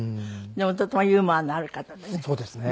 でもとてもユーモアのある方でね。